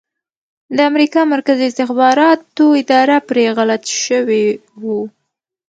د امریکا مرکزي استخباراتو اداره پرې غلط شوي وو